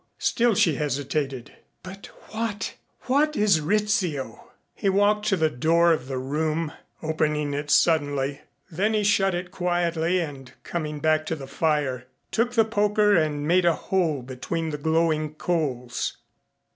Still she hesitated. "But what what is Rizzio?" He walked to the door of the room, opening it suddenly. Then he shut it quietly and coming back to the fire took the poker and made a hole between the glowing coals.